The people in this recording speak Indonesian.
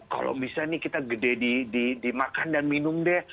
kalau bisa nih kita gede dimakan dan minum deh